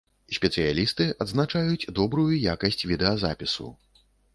Спецыялісты адзначаюць добрую якасць відэазапісу.